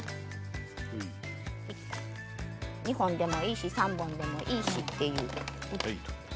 ２本でもいいし３本でもいいし。